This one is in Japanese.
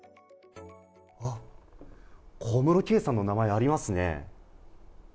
あっ、小室圭さんの名前、ありますね。